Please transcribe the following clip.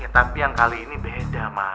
tapi yang kali ini beda mas